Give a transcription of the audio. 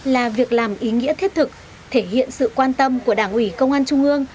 là việc làm ý nghĩa thiết thực thể hiện sự quan tâm của đảng ủy công an trung ương